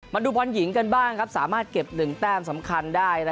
มาดูบอลหญิงกันบ้างสามารถเก็บ๑แต้มสำคัญได้